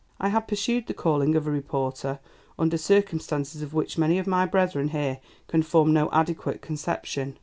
"I have pursued the calling of a reporter under circumstances of which many of my brethren here can form no adequate conception.